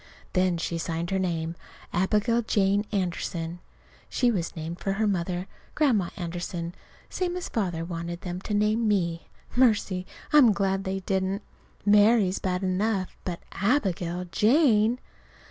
Then she signed her name, Abigail Jane Anderson. (She was named for her mother, Grandma Anderson, same as Father wanted them to name me. Mercy! I'm glad they didn't. "Mary" is bad enough, but "Abigail Jane"